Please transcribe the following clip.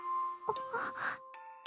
あっ